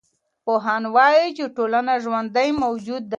پوهان وايي چي ټولنه ژوندی موجود دی.